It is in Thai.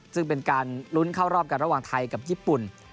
ซึ่งเป็นการลุ้นเข้ารอบกันระหว่างไทยกับญี่ปุ่น